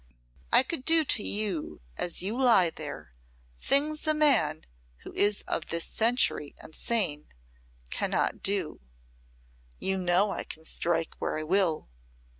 I could do to you, as you lie there, things a man who is of this century, and sane, cannot do. You know I can strike where I will.